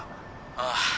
「ああ」